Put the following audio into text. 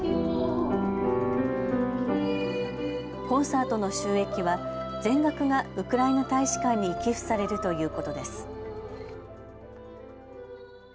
コンサートの収益は全額がウクライナ大使館に寄付されるということです。